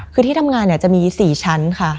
คือที่ทำงานจะมี๔ชั้นค่ะ